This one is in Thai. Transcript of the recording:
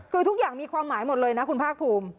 คือทุกอย่างมีความหมายหมดเลยนะคุณภาคภูมิ